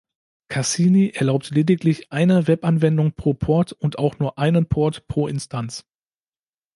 Cassini erlaubt lediglich "eine" Web-Anwendung pro Port und auch nur einen Port pro Instanz.